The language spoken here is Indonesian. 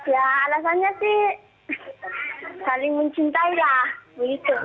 ya alasannya sih saling mencintai lah begitu